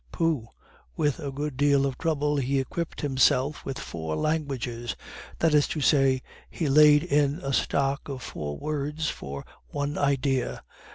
Pooh! with a good deal of trouble he equipped himself with four languages that is to say, he laid in a stock of four words for one idea.